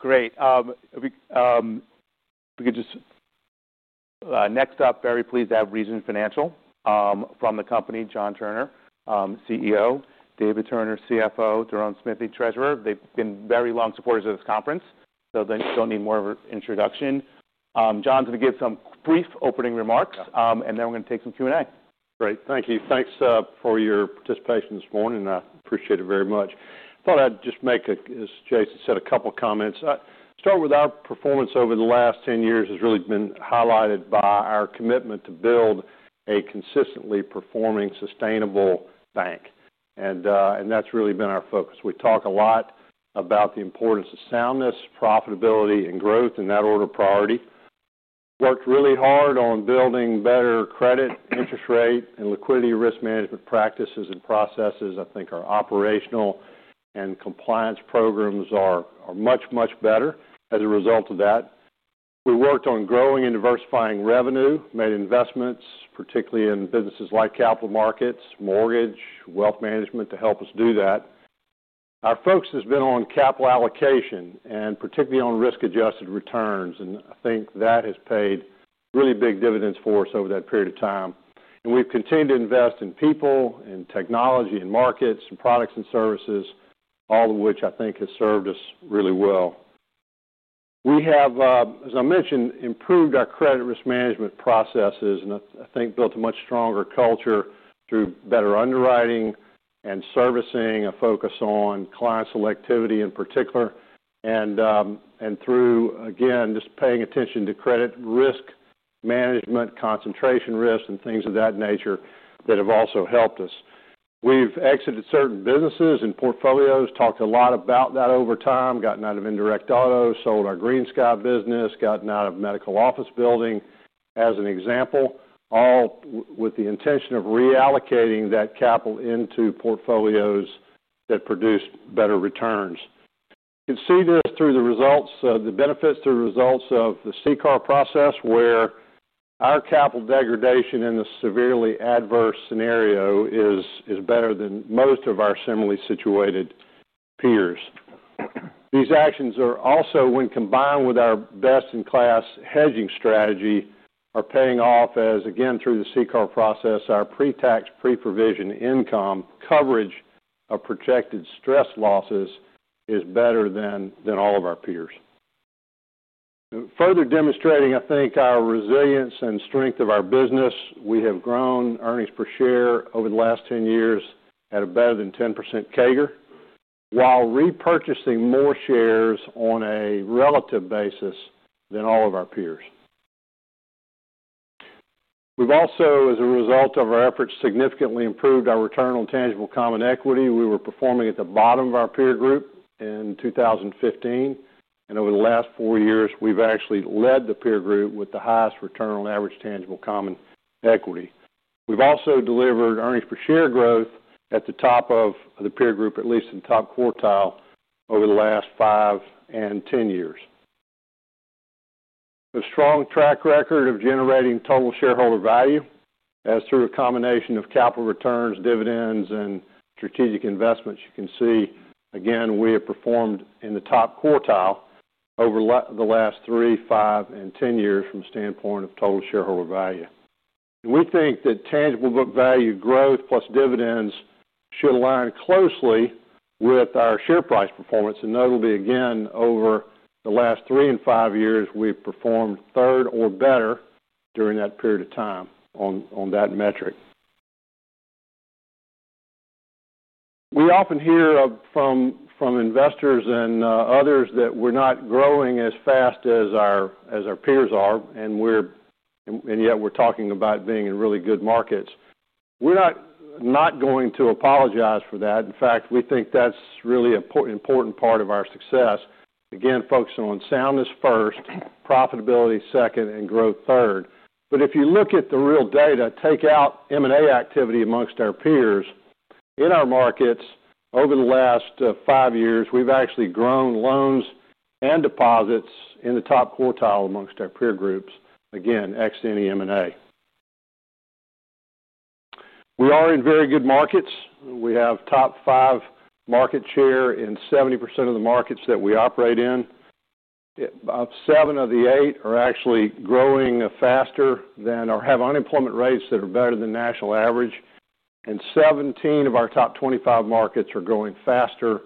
Great. If we could just... Next up, very pleased to have Regions Financial from the company, John Turner, CEO, David Turner, CFO, Ronald Smith, the Treasurer. They've been very long supporters of this conference, so they still need more of an introduction. John, can you give some brief opening remarks? We're going to take some Q&A. Great. Thank you. Thanks for your participation this morning. I appreciate it very much. I thought I'd just make a, as Jason said, a couple of comments. Start with our performance over the last 10 years has really been highlighted by our commitment to build a consistently performing, sustainable bank. That's really been our focus. We talk a lot about the importance of soundness, profitability, and growth in that order of priority. We've worked really hard on building better credit, interest rate, and liquidity risk management practices and processes. I think our operational and compliance programs are much, much better as a result of that. We worked on growing and diversifying revenue, made investments, particularly in businesses like capital markets, mortgage, wealth management to help us do that. Our focus has been on capital allocation and particularly on risk-adjusted returns. I think that has paid really big dividends for us over that period of time. We've continued to invest in people, in technology, in markets, and products and services, all of which I think has served us really well. We have, as I mentioned, improved our credit risk management processes and I think built a much stronger culture through better underwriting and servicing, a focus on client selectivity in particular, and through, again, just paying attention to credit risk management, concentration risk, and things of that nature that have also helped us. We've exited certain businesses and portfolios, talked a lot about that over time, gotten out of indirect auto, sold our GreenSky business, gotten out of medical office building as an example, all with the intention of reallocating that capital into portfolios that produce better returns. You can see this through the results, the benefits through the results of the CCAR process where our capital degradation in a severely adverse scenario is better than most of our similarly situated peers. These actions are also, when combined with our best-in-class hedging strategy, are paying off as, again, through the CCAR process, our pre-tax, pre-provision income coverage of projected stress losses is better than all of our peers. Further demonstrating, I think, our resilience and strength of our business, we have grown earnings per share over the last 10 years at a better than 10% CAGR, while repurchasing more shares on a relative basis than all of our peers. We've also, as a result of our efforts, significantly improved our return on tangible common equity. We were performing at the bottom of our peer group in 2015. Over the last four years, we've actually led the peer group with the highest return on average tangible common equity. We've also delivered earnings per share growth at the top of the peer group, at least in the top quartile over the last five and 10 years. A strong track record of generating total shareholder value is through a combination of capital returns, dividends, and strategic investments. You can see, again, we have performed in the top quartile over the last three, five, and 10 years from the standpoint of total shareholder value. We think that tangible book value growth plus dividends should align closely with our share price performance. Notably, again, over the last three and five years, we've performed third or better during that period of time on that metric. We often hear from investors and others that we're not growing as fast as our peers are, and yet we're talking about being in really good markets. We're not going to apologize for that. In fact, we think that's really an important part of our success. Again, focusing on soundness first, profitability second, and growth third. If you look at the real data, take out M&A activity amongst our peers, in our markets over the last five years, we've actually grown loans and deposits in the top quartile amongst our peer groups, again, exiting the M&A. We are in very good markets. We have top five market share in 70% of the markets that we operate in. 7/8 are actually growing faster than or have unemployment rates that are better than the national average. Seventeen of our top 25 markets are growing faster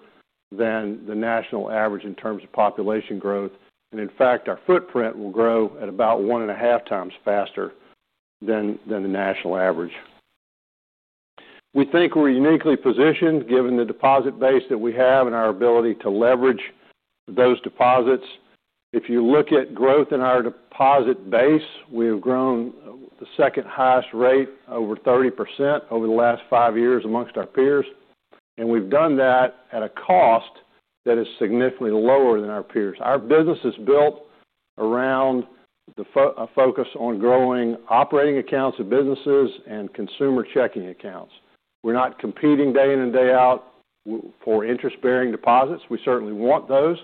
than the national average in terms of population growth. In fact, our footprint will grow at about 1.5x faster than the national average. We think we're uniquely positioned given the deposit base that we have and our ability to leverage those deposits. If you look at growth in our deposit base, we have grown the second highest rate, over 30%, over the last five years amongst our peers. We've done that at a cost that is significantly lower than our peers. Our business is built around a focus on growing operating accounts of businesses and consumer checking accounts. We're not competing day in and day out for interest-bearing deposits. We certainly want those,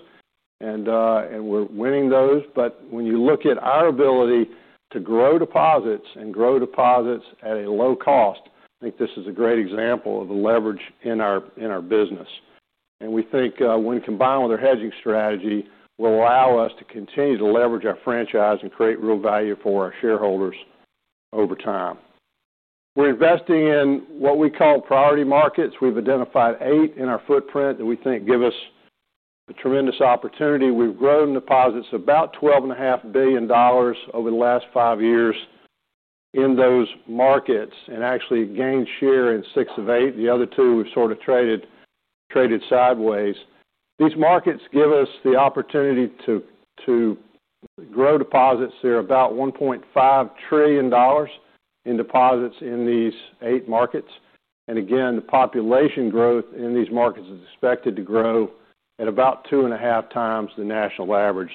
and we're winning those. When you look at our ability to grow deposits and grow deposits at a low cost, I think this is a great example of the leverage in our business. We think when combined with our hedging strategy, it will allow us to continue to leverage our franchise and create real value for our shareholders over time. We're investing in what we call priority markets. We've identified eight in our footprint that we think give us a tremendous opportunity. We've grown deposits about $12.5 billion over the last five years in those markets and actually gained share in 6/8. The other two we've sort of traded sideways. These markets give us the opportunity to grow deposits. There are about $1.5 trillion in deposits in these eight markets. Again, the population growth in these markets is expected to grow at about 2.5x the national average.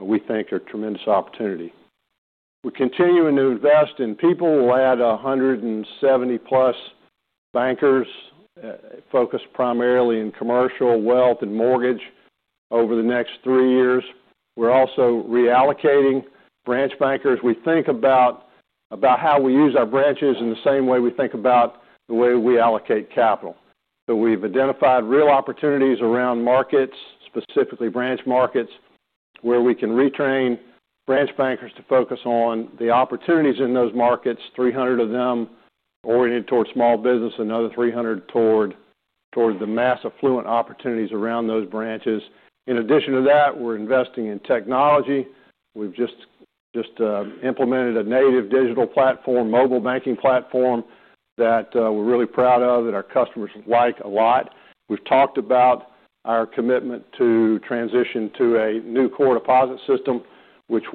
We think a tremendous opportunity. We're continuing to invest in people. We'll add 170+ bankers focused primarily in commercial, wealth, and mortgage over the next three years. We're also reallocating branch bankers. We think about how we use our branches in the same way we think about the way we allocate capital. We've identified real opportunities around markets, specifically branch markets, where we can retrain branch bankers to focus on the opportunities in those markets, 300 of them oriented toward small business, another 300 toward the mass affluent opportunities around those branches. In addition to that, we're investing in technology. We've just implemented a native digital platform, mobile banking platform that we're really proud of, that our customers like a lot. We've talked about our commitment to transition to a new core deposit system, which is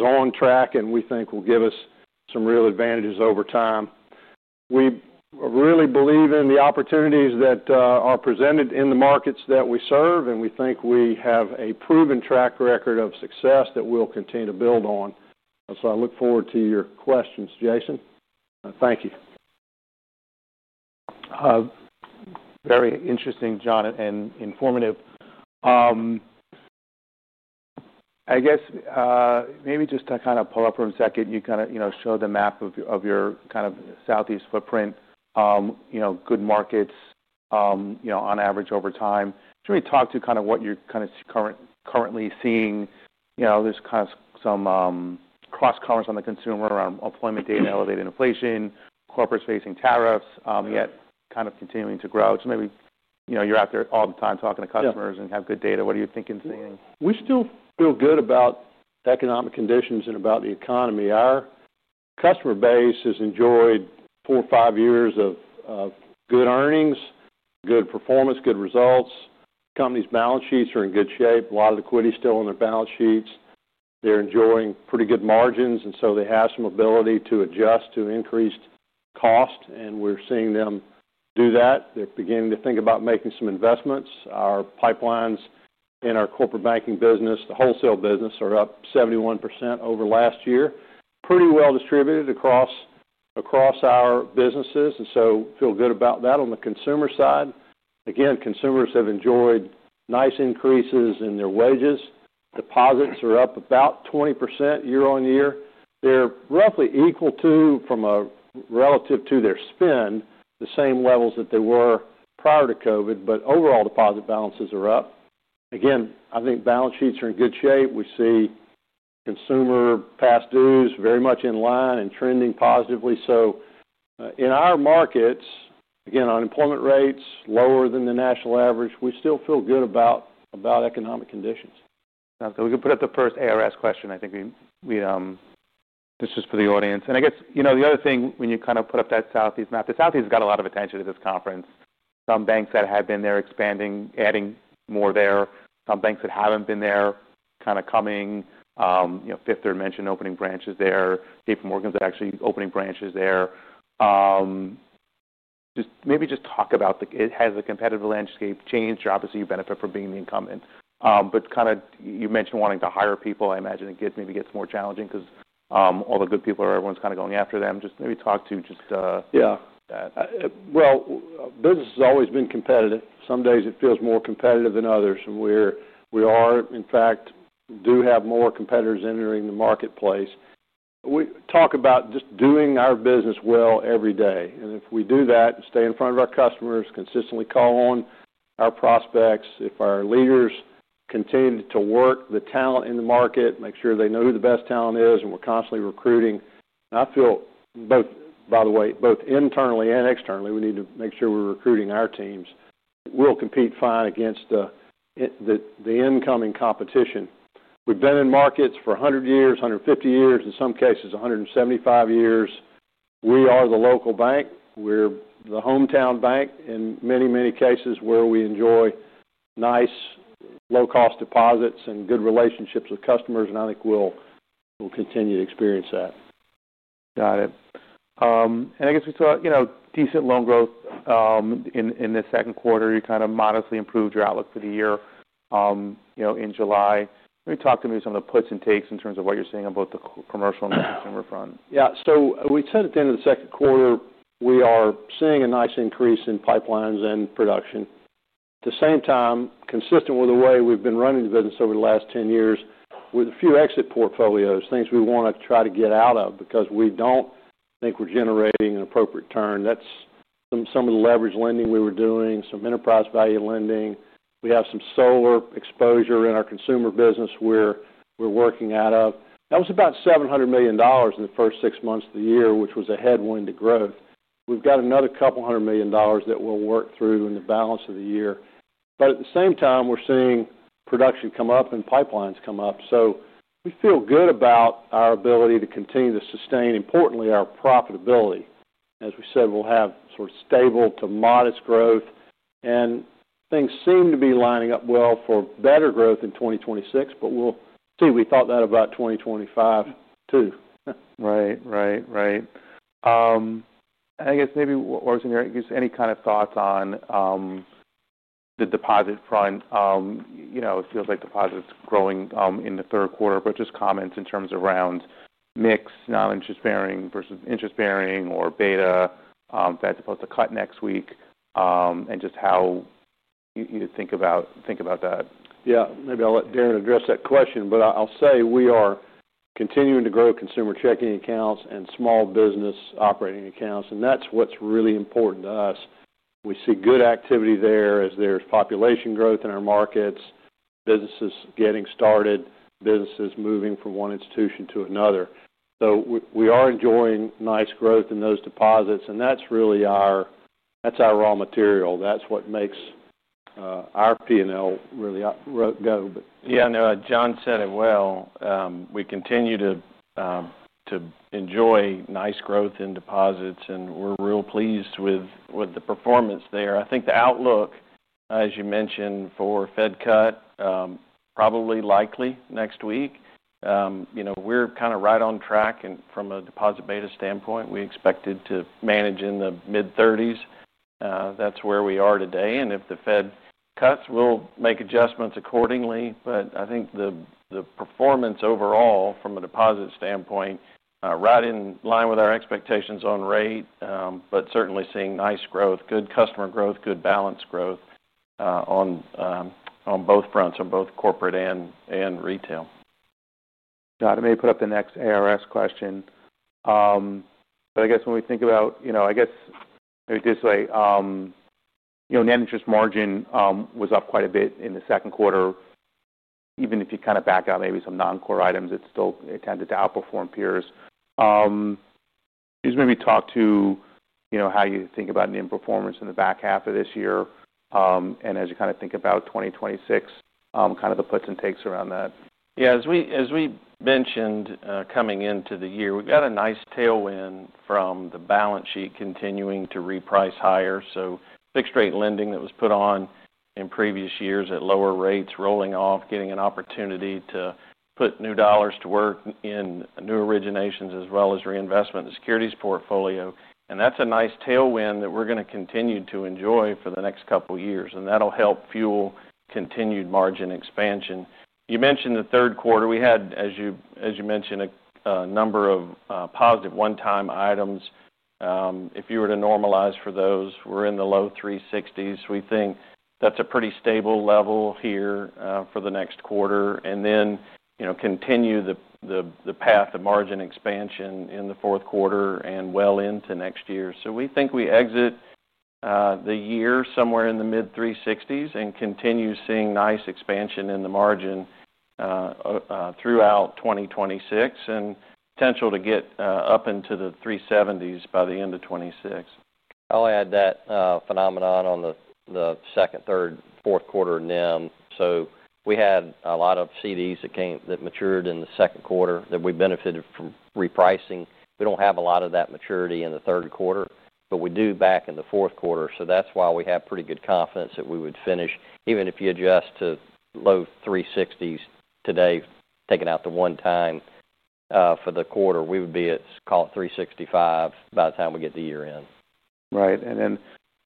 on track and we think will give us some real advantages over time. We really believe in the opportunities that are presented in the markets that we serve, and we think we have a proven track record of success that we'll continue to build on. I look forward to your questions, Jason. Thank you. Very interesting, John, and informative. I guess maybe just to kind of pull up for a second, you showed the map of your Southeast footprint, you know, good markets, you know, on average over time. Should we talk to what you're currently seeing? You know, there's some cross-commerce on the consumer around employment data and elevated inflation, corporate-facing tariffs, yet continuing to grow. Maybe you're out there all the time talking to customers and have good data. What are you thinking today? We still feel good about economic conditions and about the economy. Our customer base has enjoyed four or five years of good earnings, good performance, good results. Companies' balance sheets are in good shape. A lot of liquidity is still on their balance sheets. They're enjoying pretty good margins, and they have some ability to adjust to increased cost, and we're seeing them do that. They're beginning to think about making some investments. Our pipelines in our corporate banking business, the wholesale business, are up 71% over last year, pretty well distributed across our businesses, and feel good about that. On the consumer side, again, consumers have enjoyed nice increases in their wages. Deposits are up about 20% year-over-year. They're roughly equal to, from a relative to their spend, the same levels that they were prior to COVID, but overall deposit balances are up. Again, I think balance sheets are in good shape. We see consumer past dues very much in line and trending positively. In our markets, again, unemployment rates lower than the national average, we still feel good about economic conditions. We can put up the first ARS question. I think this is for the audience. I guess, you know, the other thing when you kind of put up that Southeast map, the Southeast has got a lot of attention at this conference. Some banks that have been there are expanding, adding more there. Some banks that haven't been there are kind of coming, you know, Fifth Third mentioned opening branches there. JPMorgan's actually opening branches there. Maybe just talk about, has the competitive landscape changed? Obviously, you benefit from being the incumbent. You mentioned wanting to hire people. I imagine it maybe gets more challenging because all the good people, everyone's kind of going after them. Maybe just talk to that. Business has always been competitive. Some days it feels more competitive than others, and we do have more competitors entering the marketplace. We talk about just doing our business well every day. If we do that, stay in front of our customers, consistently call on our prospects, if our leaders continue to work the talent in the market, make sure they know who the best talent is, and we're constantly recruiting. I feel both, by the way, both internally and externally, we need to make sure we're recruiting our teams. We'll compete fine against the incoming competition. We've been in markets for 100 years, 150 years, in some cases 175 years. We are the local bank. We're the hometown bank in many, many cases where we enjoy nice low-cost deposits and good relationships with customers. I think we'll continue to experience that. Got it. I guess we talked about decent loan growth in the second quarter. You kind of modestly improved your outlook for the year in July. Let me talk to me about some of the puts and takes in terms of what you're seeing on both the commercial and the consumer front. Yeah. We said at the end of the second quarter, we are seeing a nice increase in pipelines and production. At the same time, consistent with the way we've been running the business over the last 10 years, with a few exit portfolios, things we want to try to get out of because we don't think we're generating an appropriate return. That's some of the leverage lending we were doing, some enterprise value lending. We have some solar exposure in our consumer business where we're working out of. That was about $700 million in the first six months of the year, which was a headwind to growth. We've got another couple hundred million dollars that we'll work through in the balance of the year. At the same time, we're seeing production come up and pipelines come up. We feel good about our ability to continue to sustain, importantly, our profitability. As we said, we'll have sort of stable to modest growth. Things seem to be lining up well for better growth in 2026, but we'll see. We thought that about 2025 too. I guess maybe what was in your, I guess, any kind of thoughts on the deposit front? It feels like deposits are growing in the third quarter, but just comments in terms of around mixed non-interest bearing versus interest bearing or beta, that's supposed to cut next week, and just how you think about that. Maybe I'll let [them] address that question, but I'll say we are continuing to grow consumer checking accounts and small business operating accounts, and that's what's really important to us. We see good activity there as there's population growth in our markets, businesses getting started, businesses moving from one institution to another. We are enjoying nice growth in those deposits, and that's really our raw material. That's what makes our P&L really go. Yeah, no, John said it well. We continue to enjoy nice growth in deposits, and we're real pleased with the performance there. I think the outlook, as you mentioned, for a Fed cut is probably likely next week. We're kind of right on track, and from a deposit beta standpoint, we expected to manage in the mid-30%. That's where we are today. If the Fed cuts, we'll make adjustments accordingly. I think the performance overall from a deposit standpoint is right in line with our expectations on rate, certainly seeing nice growth, good customer growth, good balance growth on both fronts, on both corporate and retail. Got it. Maybe put up the next ARS question. When we think about, you know, net interest margin was up quite a bit in the second quarter. Even if you kind of back out maybe some non-core items, it still tended to outperform peers. Could you maybe talk to how you think about the performance in the back half of this year? As you kind of think about 2026, kind of the puts and takes around that. Yeah. As we mentioned, coming into the year, we've got a nice tailwind from the balance sheet continuing to reprice higher. Fixed-rate lending that was put on in previous years at lower rates is rolling off, getting an opportunity to put new dollars to work in new originations as well as reinvestment in the securities portfolio. That's a nice tailwind that we're going to continue to enjoy for the next couple of years. That'll help fuel continued margin expansion. You mentioned the third quarter. We had, as you mentioned, a number of positive one-time items. If you were to normalize for those, we're in the low [3.60s]. We think that's a pretty stable level here for the next quarter. You know, continue the path of margin expansion in the fourth quarter and well into next year. We think we exit the year somewhere in the mid-[3.60s] and continue seeing nice expansion in the margin throughout 2026 and potential to get up into the [3.70s] by the end of 2026. I'll add that phenomenon on the second, third, fourth quarter NIM. We had a lot of CDs that matured in the second quarter that we benefited from repricing. We don't have a lot of that maturity in the third quarter, but we do back in the fourth quarter. That's why we have pretty good confidence that we would finish, even if you adjust to low 3.60s today, taking out the 1x for the quarter, we would be at, call it, 3.65% by the time we get to year end. Right.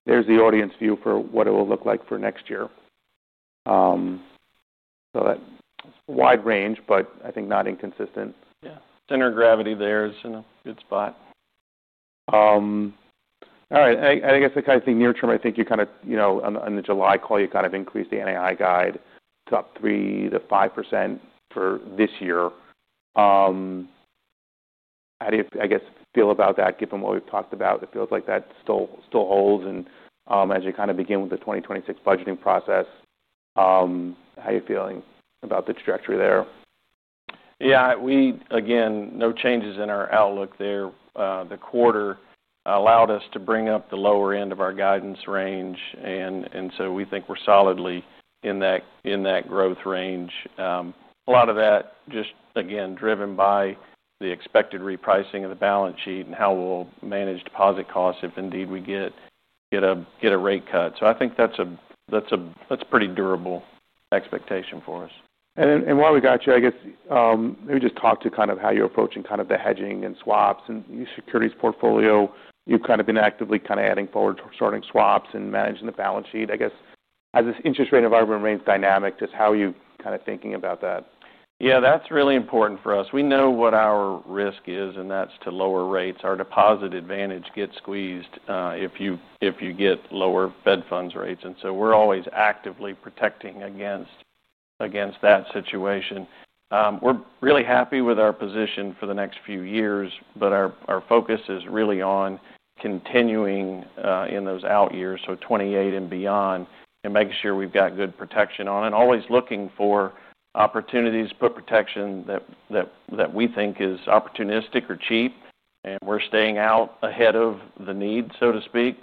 There's the audience view for what it will look like for next year. That's a wide range, but I think not inconsistent. Yeah. Center of gravity there is in a good spot. All right. I guess the kind of thing near term, I think you, on the July call, increased the NAI guide to 3%-5% for this year. How do you feel about that given what we've talked about? It feels like that still holds. As you begin with the 2026 budgeting process, how are you feeling about the trajectory there? Yeah. Again, no changes in our outlook there. The quarter allowed us to bring up the lower end of our guidance range, and we think we're solidly in that growth range. A lot of that is just, again, driven by the expected repricing of the balance sheet and how we'll manage deposit costs if indeed we get a rate cut. I think that's a pretty durable expectation for us. While we got you, I guess, maybe just talk to kind of how you're approaching kind of the hedging and swaps and your securities portfolio. You've kind of been actively kind of adding forward to starting swaps and managing the balance sheet. I guess, as this interest rate environment remains dynamic, just how are you kind of thinking about that? Yeah, that's really important for us. We know what our risk is, and that's to lower rates. Our deposit advantage gets squeezed if you get lower Fed funds rates. We're always actively protecting against that situation. We're really happy with our position for the next few years, but our focus is really on continuing in those out years, so 2028 and beyond, and making sure we've got good protection on it and always looking for opportunities to put protection that we think is opportunistic or cheap. We're staying out ahead of the need, so to speak.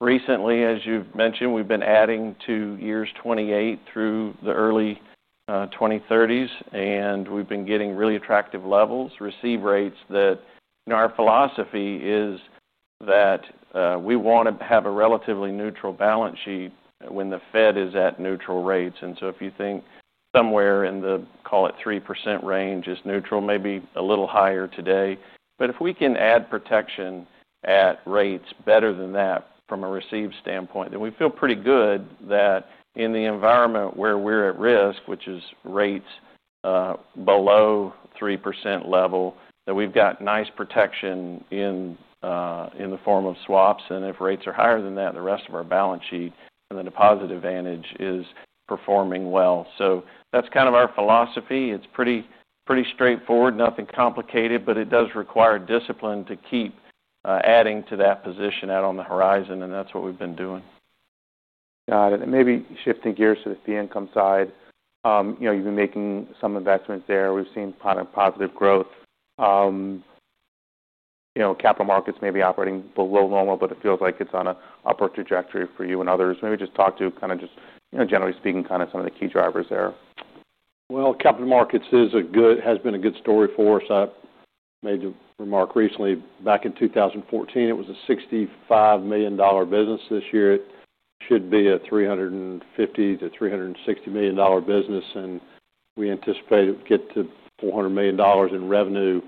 Recently, as you've mentioned, we've been adding to years 2028 through the early 2030s, and we've been getting really attractive levels, receive rates that our philosophy is that we want to have a relatively neutral balance sheet when the Fed is at neutral rates. If you think somewhere in the, call it, 3% range is neutral, maybe a little higher today. If we can add protection at rates better than that from a receive standpoint, then we feel pretty good that in the environment where we're at risk, which is rates below the 3% level, we've got nice protection in the form of swaps. If rates are higher than that, the rest of our balance sheet and the deposit advantage is performing well. That's kind of our philosophy. It's pretty straightforward, nothing complicated, but it does require discipline to keep adding to that position out on the horizon, and that's what we've been doing. Got it. Maybe shifting gears to the income side, you've been making some investments there. We've seen positive growth. Capital markets may be operating below normal, but it feels like it's on an upward trajectory for you and others. Maybe just talk to, generally speaking, some of the key drivers there. Capital markets has been a good story for us. I made a remark recently. Back in 2014, it was a $65 million business. This year, it should be a $350 million-$360 million business, and we anticipate it would get to $400 million in revenue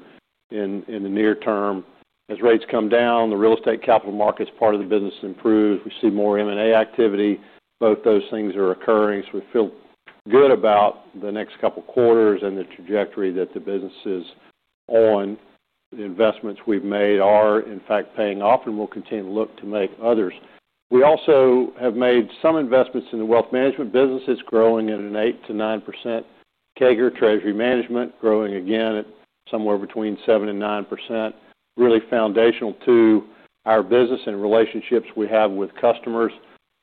in the near term. As rates come down, the real estate capital markets part of the business improves. We see more M&A activity. Both those things are occurring. We feel good about the next couple of quarters and the trajectory that the business is on. The investments we've made are, in fact, paying off, and we'll continue to look to make others. We also have made some investments in the wealth management business. It's growing at an 8%-9% CAGR. Treasury management growing again at somewhere between 7%-9%. Really foundational to our business and relationships we have with customers.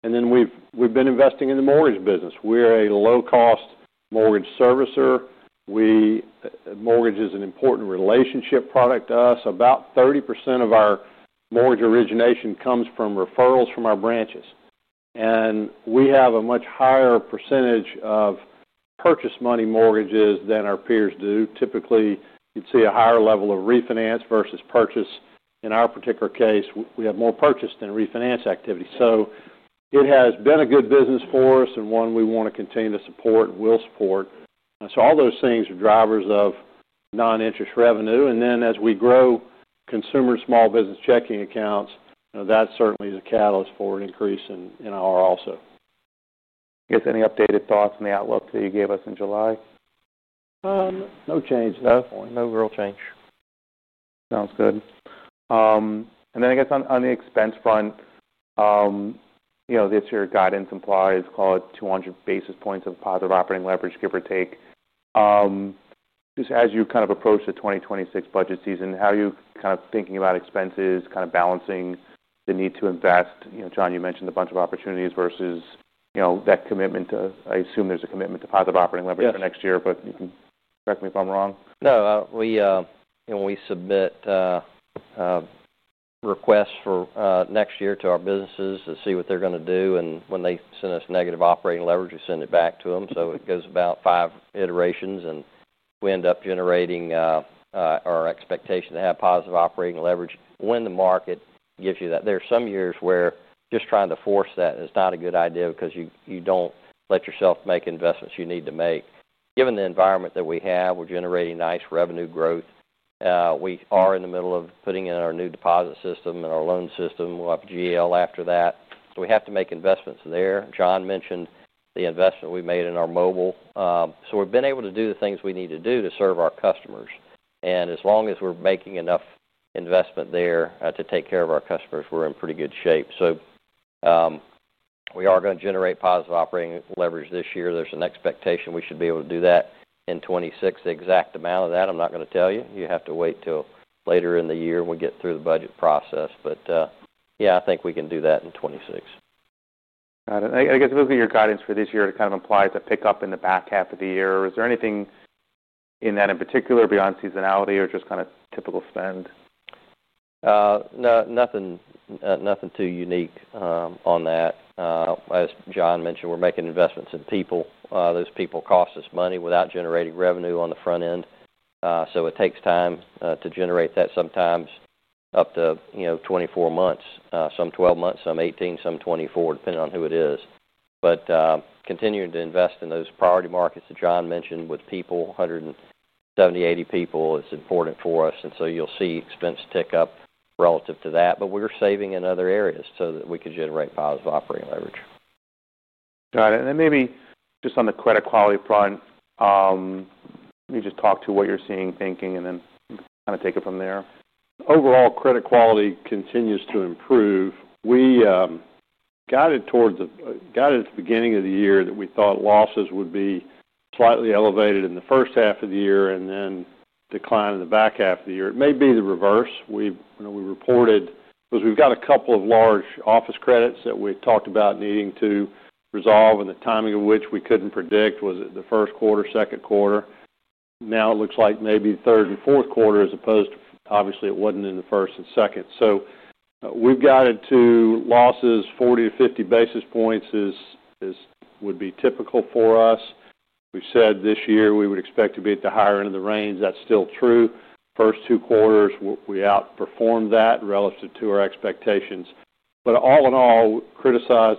We've been investing in the mortgage business. We're a low-cost mortgage servicer. Mortgage is an important relationship product to us. About 30% of our mortgage origination comes from referrals from our branches. We have a much higher percentage of purchase money mortgages than our peers do. Typically, you'd see a higher level of refinance versus purchase. In our particular case, we have more purchase than refinance activity. It has been a good business for us and one we want to continue to support and will support. All those things are drivers of non-interest revenue. As we grow consumer small business checking accounts, that certainly is a catalyst for an increase in our also. I guess any updated thoughts on the outlook that you gave us in July? No change, no. No real change. Sounds good. On the expense front, this year guidance implies, call it 200 basis points of positive operating leverage, give or take. As you approach the 2026 budget season, how are you thinking about expenses, balancing the need to invest? John, you mentioned a bunch of opportunities versus that commitment to, I assume there's a commitment to positive operating leverage for next year, but you can correct me if I'm wrong. No. We submit requests for next year to our businesses to see what they're going to do. When they send us negative operating leverage, we send it back to them. It goes about five iterations, and we end up generating our expectation to have positive operating leverage when the market gives you that. There are some years where just trying to force that is not a good idea because you don't let yourself make investments you need to make. Given the environment that we have, we're generating nice revenue growth. We are in the middle of putting in our new core deposit system and our loan system. We'll have GL after that. We have to make investments there. John mentioned the investment we made in our mobile. We've been able to do the things we need to do to serve our customers. As long as we're making enough investment there to take care of our customers, we're in pretty good shape. We are going to generate positive operating leverage this year. There's an expectation we should be able to do that in 2026. The exact amount of that, I'm not going to tell you. You have to wait till later in the year when we get through the budget process. I think we can do that in 2026. Got it. I guess moving your guidance for this year to kind of imply it's a pickup in the back half of the year. Is there anything in that in particular beyond seasonality or just kind of typical spend? Nothing too unique on that. As John mentioned, we're making investments in people. Those people cost us money without generating revenue on the front end. It takes time to generate that, sometimes up to, you know, 24 months, some 12 months, some 18, some 24, depending on who it is. Continuing to invest in those priority markets that John mentioned with people, 170, 80 people is important for us. You'll see expense tick up relative to that. We're saving in other areas so that we could generate positive operating leverage. Got it. Maybe just on the credit quality front, let me talk to what you're seeing, thinking, and then kind of take it from there. Overall, credit quality continues to improve. We got it towards the beginning of the year that we thought losses would be slightly elevated in the first half of the year and then decline in the back half of the year. It may be the reverse. We reported because we've got a couple of large office credits that we've talked about needing to resolve and the timing of which we couldn't predict. Was it the first quarter, second quarter? Now it looks like maybe third and fourth quarter as opposed to, obviously, it wasn't in the first and second. We've got it to losses 40-50 basis points is would be typical for us. We said this year we would expect to be at the higher end of the range. That's still true. First two quarters, we outperformed that relative to our expectations. All in all, criticize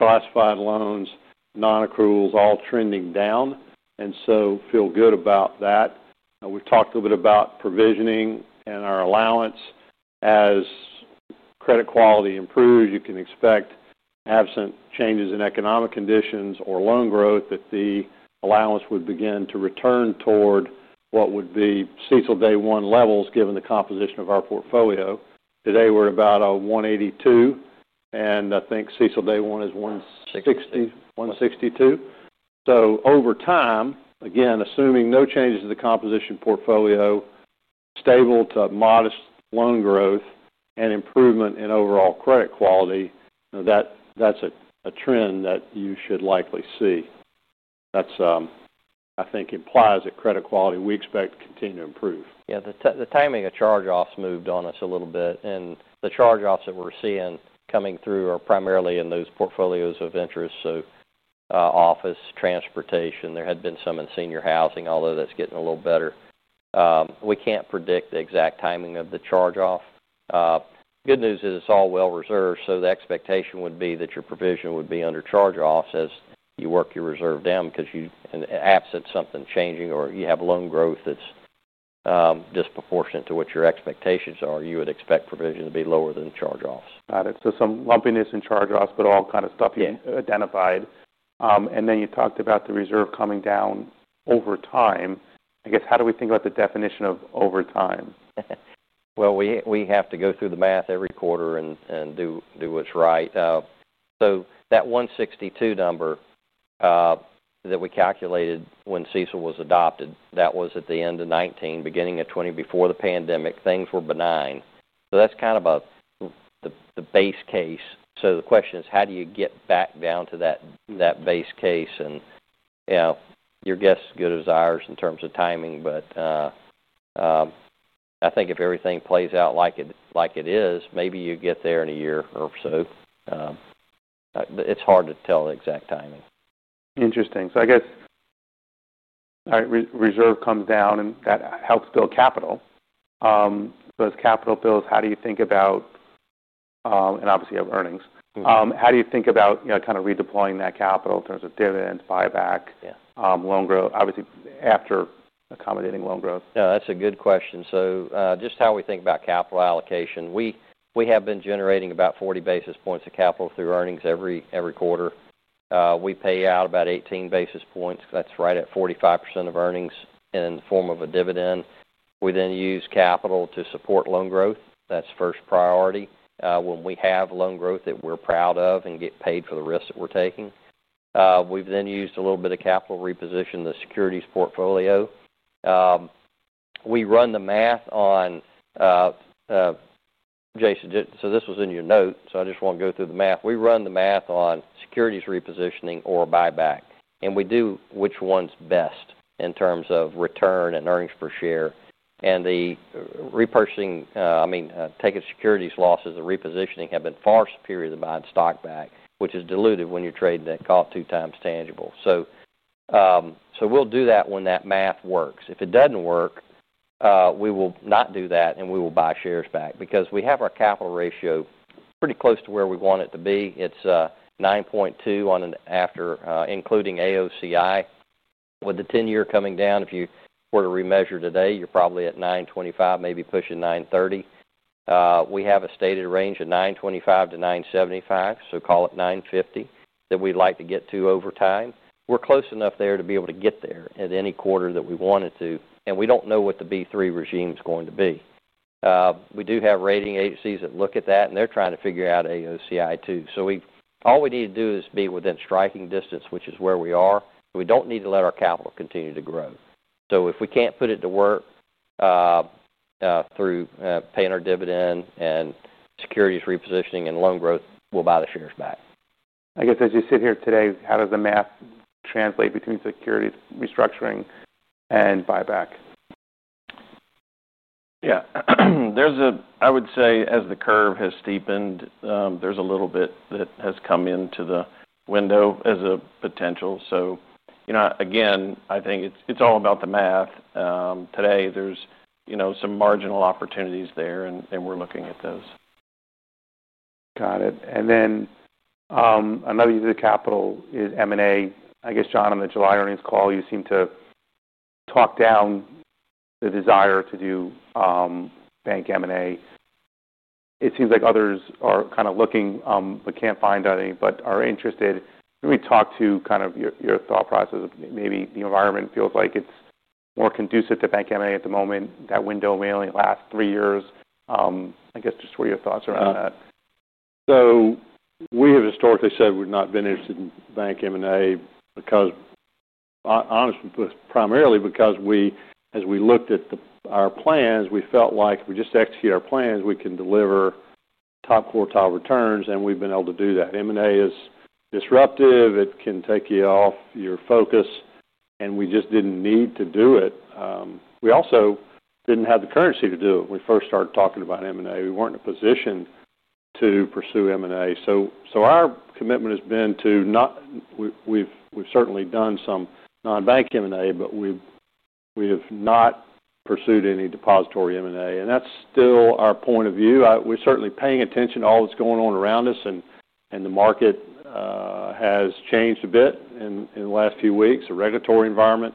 classified loans, non-accruals, all trending down. I feel good about that. We've talked a little bit about provisioning and our allowance. As credit quality improves, you can expect absent changes in economic conditions or loan growth that the allowance would begin to return toward what would be CECL Day 1 levels given the composition of our portfolio. Today we're at about 1.82%, and I think CECL Day 1 is 1.62%. Over time, again, assuming no changes in the composition portfolio, stable to modest loan growth, and improvement in overall credit quality, that's a trend that you should likely see. That, I think, implies that credit quality we expect to continue to improve. Yeah. The timing of charge-offs moved on us a little bit, and the charge-offs that we're seeing coming through are primarily in those portfolios of interest: office, transportation. There had been some in senior housing, although that's getting a little better. We can't predict the exact timing of the charge-off. The good news is it's all well reserved. The expectation would be that your provision would be under charge-offs as you work your reserve down because you, and absent something changing or you have loan growth that's disproportionate to what your expectations are, you would expect provision to be lower than charge-offs. Got it. Some lumpiness in charge-offs, but all kind of stuff you identified. Then you talked about the reserve coming down over time. I guess, how do we think about the definition of over time? We have to go through the math every quarter and do what's right. That 162 number that we calculated when CECL was adopted, that was at the end of 2019, beginning of 2020 before the pandemic, things were benign. That's kind of the base case. The question is, how do you get back down to that base case? You know, your guess is as good as ours in terms of timing. I think if everything plays out like it is, maybe you get there in a year or so. It's hard to tell the exact timing. Interesting. I guess, all right, reserve comes down and that helps build capital. Those capital builds, how do you think about, and obviously you have earnings, how do you think about, you know, kind of redeploying that capital in terms of dividends, buyback, loan growth, obviously after accommodating loan growth? Yeah, that's a good question. Just how we think about capital allocation, we have been generating about 40 basis points of capital through earnings every quarter. We pay out about 18 basis points. That's right at 45% of earnings in the form of a dividend. We then use capital to support loan growth. That's first priority. When we have loan growth that we're proud of and get paid for the risks that we're taking, we've then used a little bit of capital to reposition the securities portfolio. We run the math on, Jason, so this was in your note, so I just want to go through the math. We run the math on securities repositioning or buyback, and we do which one's best in terms of return and earnings per share. The repurchasing, I mean, taking securities losses and repositioning have been far superior to buying stock back, which is diluted when you're trading that call two times tangible. We'll do that when that math works. If it doesn't work, we will not do that and we will buy shares back because we have our capital ratio pretty close to where we want it to be. It's 9.2 on an after, including AOCI. With the 10-year coming down, if you were to remeasure today, you're probably at 9.25, maybe pushing 9.30. We have a stated range of 9.25-9.75, so call it 9.50 that we'd like to get to over time. We're close enough there to be able to get there at any quarter that we wanted to. We don't know what the B3 regime is going to be. We do have rating agencies that look at that and they're trying to figure out AOCI too. All we need to do is be within striking distance, which is where we are. We don't need to let our capital continue to grow. If we can't put it to work through paying our dividend and securities repositioning and loan growth, we'll buy the shares back. I guess as you sit here today, how does the math translate between securities repositioning and buyback? Yeah, I would say as the curve has steepened, there's a little bit that has come into the window as a potential. I think it's all about the math. Today, there's some marginal opportunities there and we're looking at those. Got it. Another use of the capital is M&A. I guess, John, on the July earnings call, you seem to talk down the desire to do bank M&A. It seems like others are kind of looking, but can't find any, but are interested. Can we talk to kind of your thought process? Maybe the environment feels like it's more conducive to bank M&A at the moment, that window mainly last three years. I guess just what are your thoughts around that? We have historically said we've not been interested in bank M&A because, honestly, primarily because we, as we looked at our plans, we felt like if we just execute our plans, we can deliver top quartile returns, and we've been able to do that. M&A is disruptive. It can take you off your focus, and we just didn't need to do it. We also didn't have the currency to do it when we first started talking about M&A. We weren't in a position to pursue M&A. Our commitment has been to not, we've certainly done some non-bank M&A, but we have not pursued any depository M&A. That's still our point of view. We're certainly paying attention to all that's going on around us, and the market has changed a bit in the last few weeks. The regulatory environment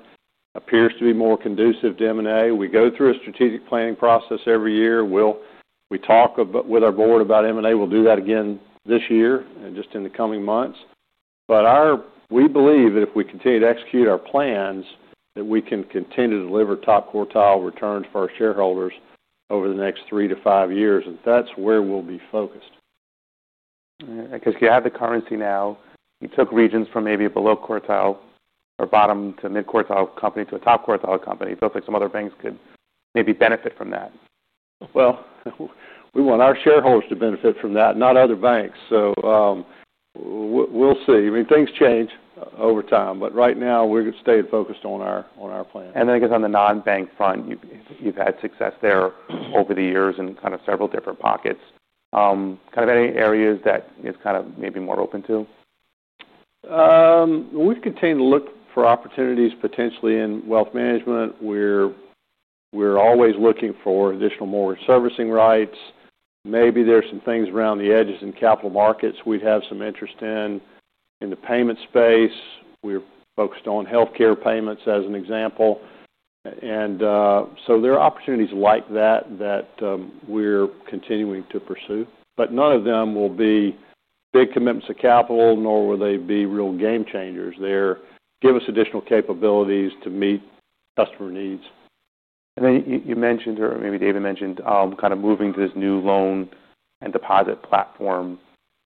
appears to be more conducive to M&A. We go through a strategic planning process every year. We talk with our board about M&A. We'll do that again this year and in the coming months. We believe that if we continue to execute our plans, we can continue to deliver top quartile returns for our shareholders over the next 3-5 years. That's where we'll be focused. I guess you have the currency now. You took Regions from maybe a below quartile or bottom to mid-quartile company to a top quartile company. You felt like some other banks could maybe benefit from that. We want our shareholders to benefit from that, not other banks. Things change over time, but right now we're staying focused on our plan. I guess on the non-bank fund, you've had success there over the years in kind of several different pockets. Any areas that you're maybe more open to? We've continued to look for opportunities potentially in wealth management. We're always looking for additional mortgage servicing rights. Maybe there's some things around the edges in capital markets we'd have some interest in, in the payment space. We're focused on healthcare payments as an example. There are opportunities like that that we're continuing to pursue, but none of them will be big commitments to capital, nor will they be real game changers. They give us additional capabilities to meet customer needs. You mentioned, or maybe David mentioned, kind of moving to this new loan and deposit platform.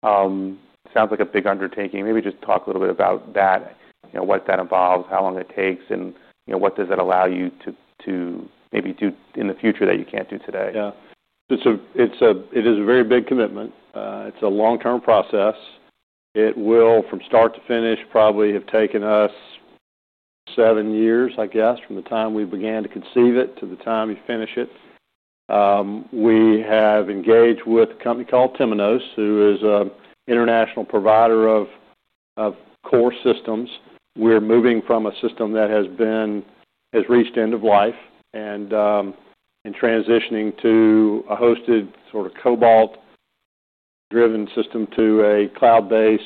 It sounds like a big undertaking. Maybe just talk a little bit about that, what that involves, how long it takes, and what does that allow you to maybe do in the future that you can't do today? Yeah. It is a very big commitment. It's a long-term process. It will, from start to finish, probably have taken us seven years, I guess, from the time we began to conceive it to the time you finish it. We have engaged with a company called Temenos, who is an international provider of core systems. We're moving from a system that has reached end of life and transitioning to a hosted sort of COBOL-driven system to a cloud-based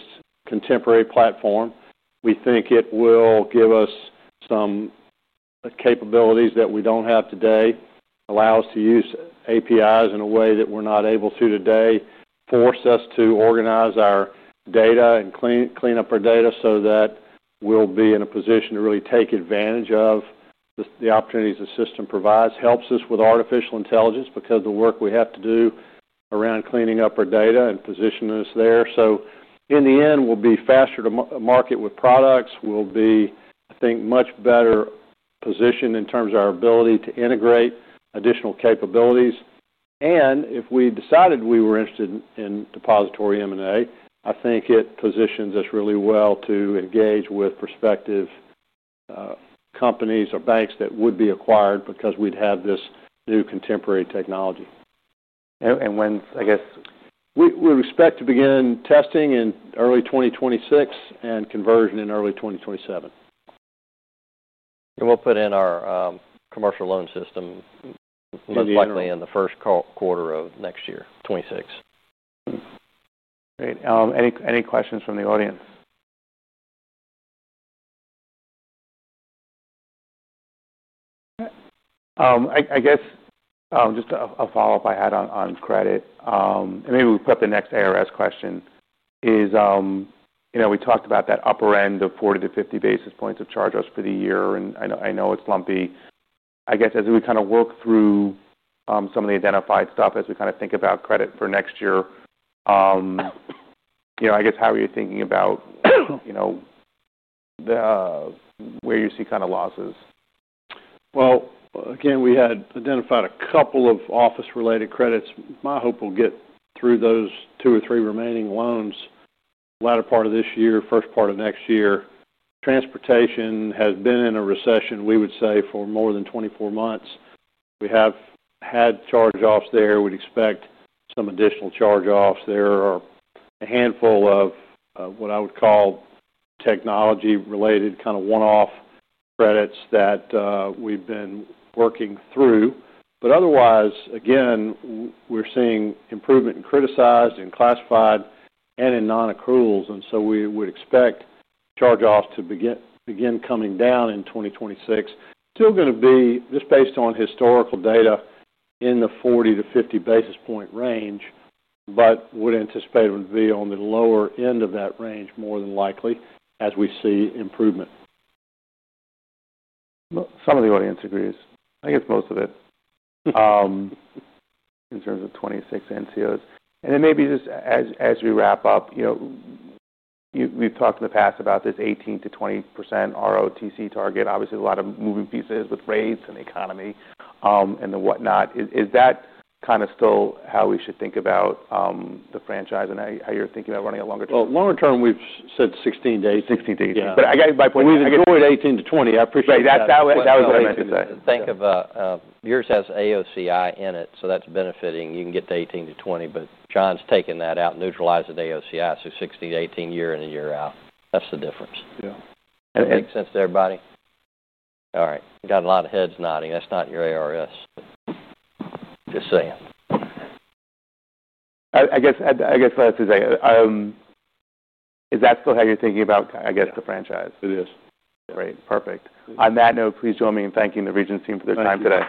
contemporary platform. We think it will give us some capabilities that we don't have today, allow us to use APIs in a way that we're not able to today, force us to organize our data and clean up our data so that we'll be in a position to really take advantage of the opportunities the system provides, helps us with artificial intelligence because of the work we have to do around cleaning up our data and positioning us there. In the end, we'll be faster to market with products. We'll be, I think, much better positioned in terms of our ability to integrate additional capabilities. If we decided we were interested in depository M&A, I think it positions us really well to engage with prospective companies or banks that would be acquired because we'd have this new contemporary technology. When, I guess... We expect to begin testing in early 2026 and conversion in early 2027. We will put in our commercial loan system most likely in the first quarter of next year, 2026. Great. Any questions from the audience? I guess just a follow-up I had on credit, and maybe we put up the next ARS question, is, you know, we talked about that upper end of 40-50 basis points of charge-offs for the year, and I know it's lumpy. As we kind of work through some of the identified stuff, as we kind of think about credit for next year, you know, I guess how are you thinking about, you know, where you see kind of losses? We had identified a couple of office-related credits. My hope is we'll get through those two or three remaining loans the latter part of this year, first part of next year. Transportation has been in a recession, we would say, for more than 24 months. We have had charge-offs there. We'd expect some additional charge-offs. There are a handful of what I would call technology-related kind of one-off credits that we've been working through. Otherwise, we're seeing improvement in criticized, in classified, and in non-accruals. We would expect charge-offs to begin coming down in 2026. Still going to be, just based on historical data, in the 40-50 basis point range, but would anticipate it would be on the lower end of that range more than likely as we see improvement. Some of the audience agrees. I think it's most of it in terms of 2026 NCOs. Maybe just as we wrap up, you know, we've talked in the past about this 18%-20% ROTC target. Obviously, there's a lot of moving pieces with rates and the economy and whatnot. Is that kind of still how we should think about the franchise and how you're thinking about running longer term? Longer term, we've said 16 days. 16 days. I guess my point is if you go with 18-20, I appreciate that. That was what I meant to say. Think of yours has AOCI in it, so that's benefiting. You can get to 18-20, but John's taken that out and neutralized the AOCI, so 16-18 year in and year out. That's the difference. Yeah. Make sense to everybody? All right. You got a lot of heads nodding. That's not your ARS, but just saying. Is that still how you're thinking about the franchise for this? Yeah. Great. Perfect. On that note, please join me in thanking the Regions team for their time today.